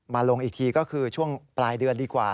มาลงอีกทีก็คือช่วงปลายเดือนดีกว่า